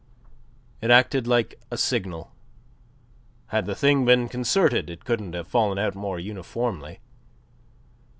It acted like a signal. Had the thing been concerted it couldn't have fallen out more uniformly.